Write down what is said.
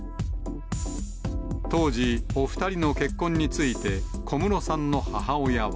当時、お２人の結婚について小室さんの母親は。